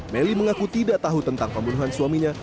melly mengaku tidak tahu tentang pembunuhan suaminya